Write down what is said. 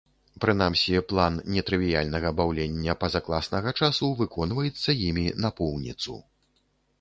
Прынамсі, план нетрывіяльнага баўлення пазакласнага часу выконваецца імі напоўніцу.